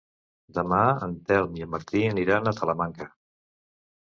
Demà en Telm i en Martí aniran a Talamanca.